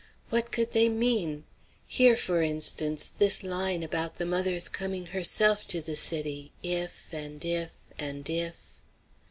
What could they mean? Here, for instance, this line about the mother's coming herself to the city, if, and if, and if!